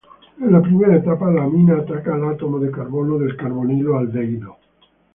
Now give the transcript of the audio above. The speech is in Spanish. En la primera etapa, la amina ataca el átomo de carbono del carbonilo aldehído.